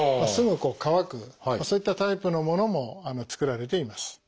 すぐ乾くそういったタイプのものも作られています。